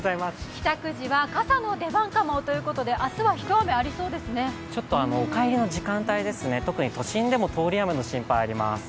帰宅時は傘の出番かもということで、お帰りの時間帯ですね、特に都心でも通り雨の心配があります。